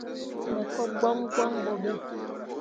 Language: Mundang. Me ko gboŋ gboŋ ɓo ɓe.